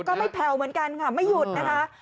ไม่แผ่วเหมือนกันค่ะไม่หยุดนะคะ